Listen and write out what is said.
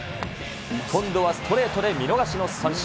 今度はストレートで見逃しの三振。